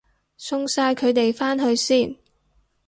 送晒佢哋返去先